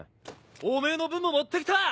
おめぇの分も持って来た。